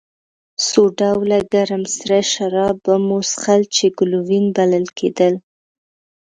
څو ډوله ګرم سره شراب به مو څښل چې ګلووېن بلل کېدل.